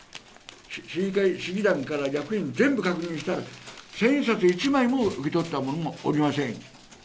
市議団から役員、全部確認したら、千円札１枚も受け取った者はおりません。